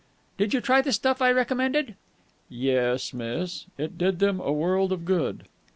"Did you try the stuff I recommended?" "Yes, miss. It did them a world of good."